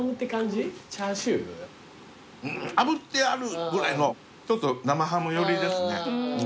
チャーシュー？あぶってあるぐらいのちょっと生ハム寄りですね。